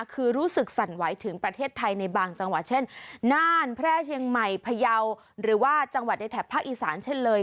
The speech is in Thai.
คือรู้สึกสั่นไหวถึงประเทศไทยในบางจังหวัดเช่นน่านแพร่เชียงใหม่พยาวหรือว่าจังหวัดในแถบภาคอีสานเช่นเลย